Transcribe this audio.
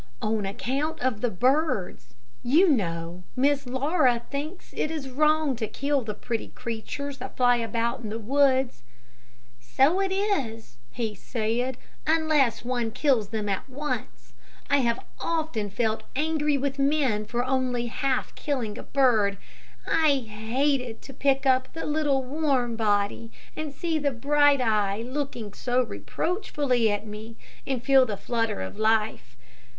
"On account of the birds. You know Miss Laura thinks it is wrong to kill the pretty creatures that fly about the woods." "So it is," he said, "unless one kills them at once. I have often felt angry with men for only half killing a bird. I hated to pick up the little, warm body, and see the bright eye looking so reproachfully at me, and feel the flutter of life.